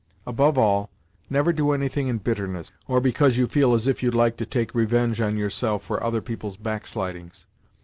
Above all, never do anything in bitterness, or because you feel as if you'd like to take revenge on yourself for other people's backslidings.